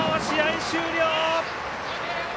試合終了！